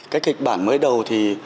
cái kịch bản mới đầu thì